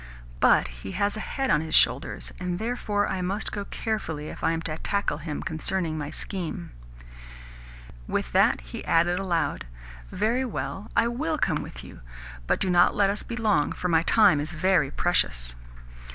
But he has a head on his shoulders, and therefore I must go carefully if I am to tackle him concerning my scheme." With that he added aloud: "Very well, I WILL come with you, but do not let us be long, for my time is very precious."